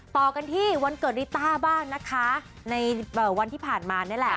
ต่อกันที่วันเกิดริต้าบ้างนะคะในวันที่ผ่านมานี่แหละ